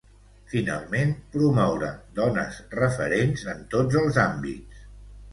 Finalment, promoure dones referents en tots els àmbits.